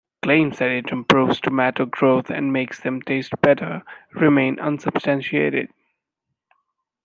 Claims that it improves tomato growth and makes them taste better remain unsubstantiated.